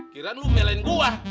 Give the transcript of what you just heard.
kirain lu melain gua